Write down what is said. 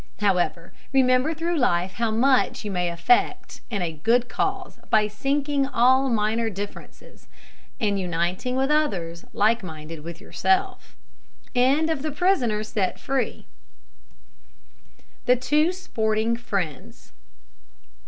However, remember through life how much you may effect in a good cause by sinking all minor differences, and uniting with others like minded with yourself. THE TWO SPORTING FRIENDS.